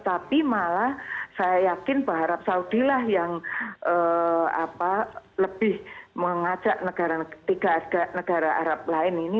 tapi malah saya yakin bahwa arab saudi lah yang lebih mengajak negara arab lain ini